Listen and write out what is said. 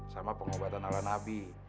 sama pengobatan oleh nabi